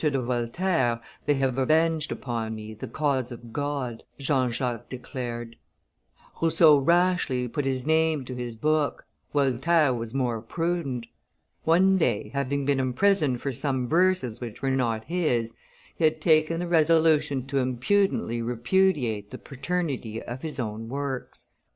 de Voltaire they have avenged upon me the cause of God," Jean Jacques declared. Rousseau rashly put his name to his book; Voltaire was more prudent. One day, having been imprisoned for some verses which were not his, he had taken the resolution to impudently repudiate the paternity of his own works.